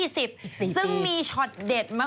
ซึ่งมีช็อตเด็ดมาก